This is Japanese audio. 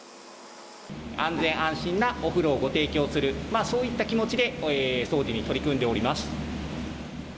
安全安心なお風呂をご提供する、そういった気持ちで掃除に取り組んでおります。